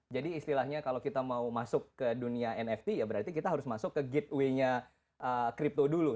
jadi istilahnya kalau kita mau masuk ke dunia nft ya berarti kita harus masuk ke gateway nya kripto dulu